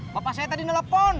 bapak saya tadi telepon